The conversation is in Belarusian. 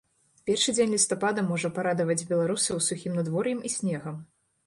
Першы дзень лістапада можа парадаваць беларусаў сухім надвор'ем і снегам.